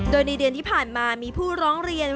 โดยในเดือนที่ผ่านมามีผู้ร้องเรียน